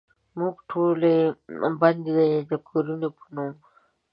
موږ ټولې بندې دکورونو په نوم،